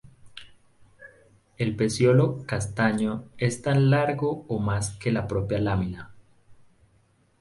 El peciolo, castaño, es tan largo o más que la propia lámina.